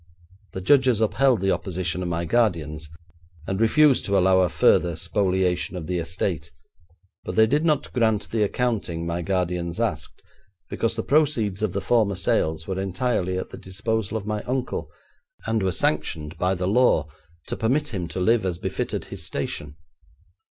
The judges upheld the opposition of my guardians, and refused to allow a further spoliation of the estate, but they did not grant the accounting my guardians asked, because the proceeds of the former sales were entirely at the disposal of my uncle, and were sanctioned by the law to permit him to live as befitted his station.